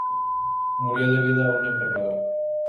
Murió debido a una enfermedad.